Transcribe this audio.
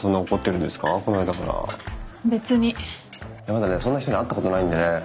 まだねそんな人に会ったことないんでね。